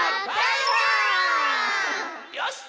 よし！